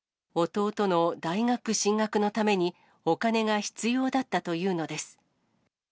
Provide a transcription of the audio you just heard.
弟の大学進学のために、お金が必要だったというのです。